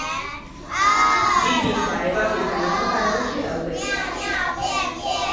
Bi pizza-ebakitzaile mota nagusi daude.